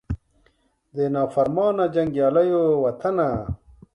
د نافرمانه جنګیالو وطنه